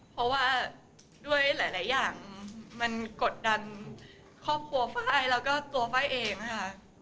เพราะว่าด้วยหลายอย่างมันกดดันครอบครัวไฟล์แล้วก็ตัวไฟล์เองค่ะ